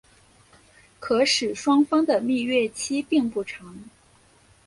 可使双方的蜜月期并不长。